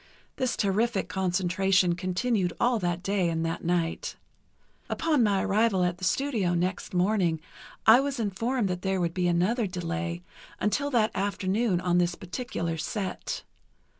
This terrific concentration continued all that day and that night. Upon my arrival at the studio next morning I was informed there would be another delay until that afternoon on this particular set.